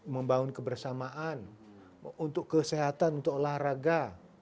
membangun kebersamaan untuk kesehatan untuk olahraga